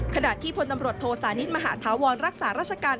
ขณะที่พลตำรวจโทสานิทมหาธาวรรักษาราชการ